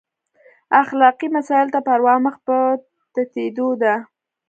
اخلاقي مسایلو ته پروا مخ په تتېدو ده.